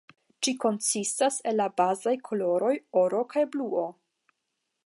Ĝi konsistas el la bazaj koloroj oro kaj bluo.